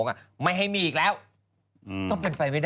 ก็ไม่ได้ผิด